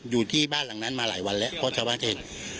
อยู่ที่บ้านหลังนั้นมาหลายวันแล้วเพราะชาวบ้านเห็น